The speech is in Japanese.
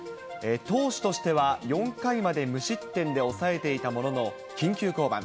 投手としては４回まで無失点で抑えていたものの、緊急降板。